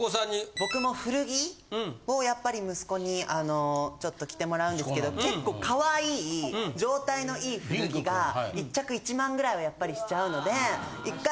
僕も古着をやっぱり息子にちょっと着てもらうんですけど結構かわいい状態のいい古着が１着１万ぐらいはやっぱりしちゃうので。